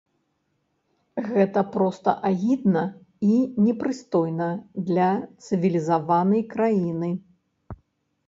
Гэта проста агідна і непрыстойна для цывілізаванай краіны!